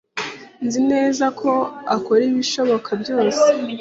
Nzi neza ko akora ibishoboka byose.